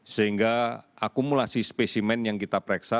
sehingga akumulasi spesimen yang kita pereksa